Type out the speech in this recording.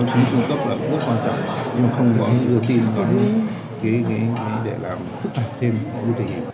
và các cơ quan xác minh